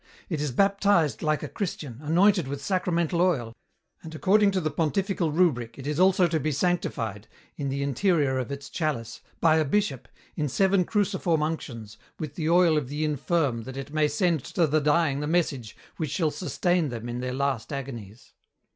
It is baptized like a Christian, anointed with sacramental oil, and according to the pontifical rubric it is also to be sanctified, in the interior of its chalice, by a bishop, in seven cruciform unctions with the oil of the infirm that it may send to the dying the message which shall sustain them in their last agonies.